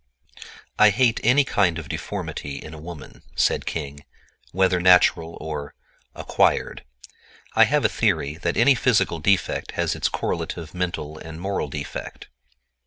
"I hate any kind of deformity in a woman," said King, "whether natural or—acquired. I have a theory that any physical defect has its correlative mental and moral defect."